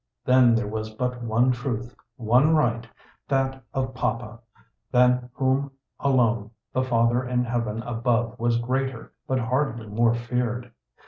Then there was but one truth, one right, that of Papa, than whom alone the Father in Heaven above was greater but hardly more feared.